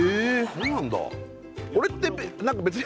そうなんだ